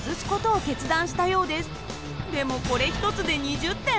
でもこれ１つで２０点。